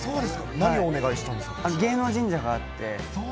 何をお願いした芸能神社があって。